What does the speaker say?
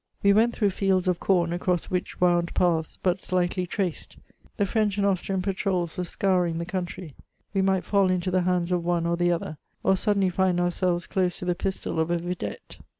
We went through fields of com across which wound paths but slightly traced. The French and Austrian patrols yv^ere scouring the country ; we might fall into the hands of one or the other, or suddenly find ourselves close to the pistol of a vidette.